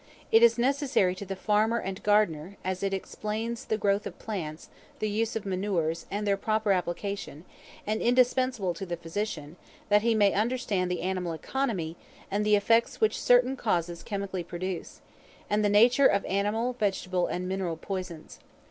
It is necessary to the farmer and gardener, as it explains the growth of plants, the use of manures, and their proper application: and indispensable to the physician, that he may understand the animal economy, and the effects which certain causes chemically produce; and the nature of animal, vegetable, and mineral poisons.